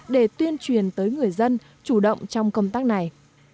để tuyên truyền tới người dân chủ động trong công tác này